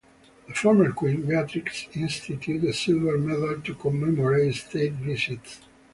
The former queen, Beatrix, instituted a silver medal to commemorate state visits.